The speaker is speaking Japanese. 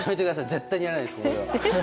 絶対にやらないですよ。